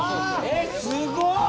えっすごい！